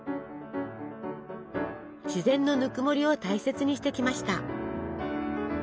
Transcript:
自然のぬくもりを大切にしてきました。